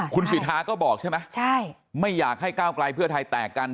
คุณสิทธาก็บอกใช่ไหมใช่ไม่อยากให้ก้าวไกลเพื่อไทยแตกกัน